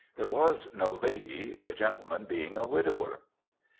There was no lady, the gentleman being a widower.